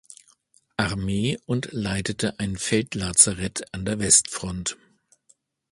Armee und leitete ein Feldlazarett an der Westfront.